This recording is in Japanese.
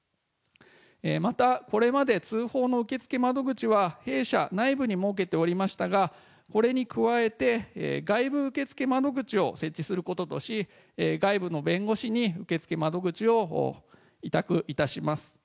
またこれまで通報の受付窓口は、弊社内部に設けておりましたが、これに加えて、外部受付窓口を設置することとし、外部の弁護士に受付窓口を委託いたします。